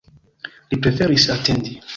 Li preferis atendi.